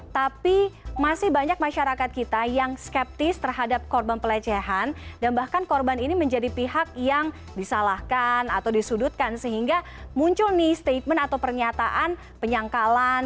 tapi masih banyak masyarakat kita yang skeptis terhadap korban pelecehan dan bahkan korban ini menjadi pihak yang disalahkan atau disudutkan sehingga muncul nih statement atau pernyataan penyangkalan